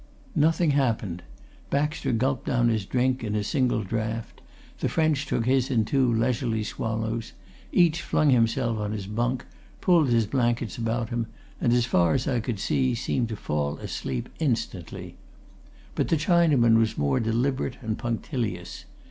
Nothing happened. Baxter gulped down his drink at a single draught; the Frenchman took his in two leisurely swallows; each flung himself on his bunk, pulled his blankets about him, and, as far as I could see, seemed to fall asleep instantly. But the Chinaman was more deliberate and punctilious.